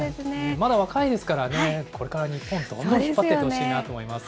まだ若いですからね、これから日本、どんどん引っ張っていってほしいなと思います。